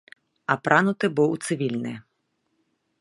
Апрануты быў у цывільнае.